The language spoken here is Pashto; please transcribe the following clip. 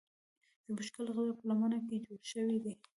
زموږ کلی د غره په لمنه کې جوړ شوی دی.